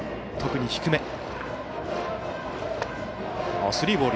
特に低め。